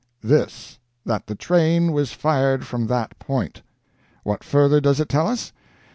This: that the train was fired from that point. What further does it tell us?